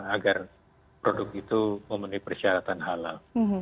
agar produk itu memenuhi persyaratan halal